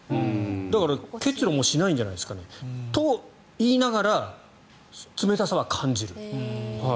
だから、結露もしないんじゃないですかね。といいながら冷たさは感じる。